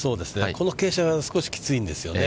この傾斜、少しきついんですよね。